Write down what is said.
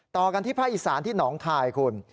ต่อกันที่พระอิศรรย์ที่หนองคายคุณ